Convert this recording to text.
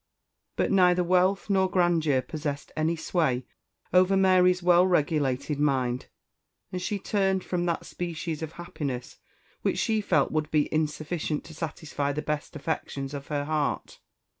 But neither wealth nor grandeur possessed any sway over Mary's well regulated mind, and she turned from that species of happiness which she felt would be insufficient to satisfy the best affections of her heart.